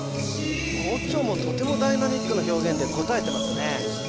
オチョもとてもダイナミックな表現で応えてますね